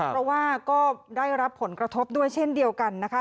เพราะว่าก็ได้รับผลกระทบด้วยเช่นเดียวกันนะคะ